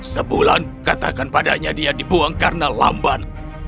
sebulan katakan padanya dia dibuang karena lamban